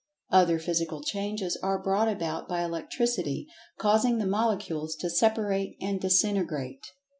Other physical changes are brought about by Electricity, causing the Molecules to separate and disintegrate.